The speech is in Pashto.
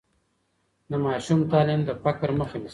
د ماشوم تعلیم د فقر مخه نیسي.